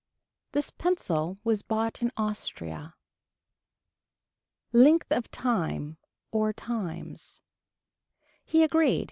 This pencil was bought in Austria. Length of time or times. He agreed.